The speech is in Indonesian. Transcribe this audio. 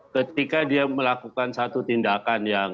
ketika dia melakukan satu tindakan yang